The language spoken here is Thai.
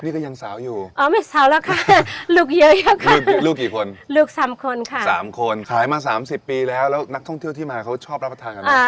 ๓คนขายมา๓๐ปีแล้วแล้วนักท่องเที่ยวที่มาเขาชอบรับประทานกันไหม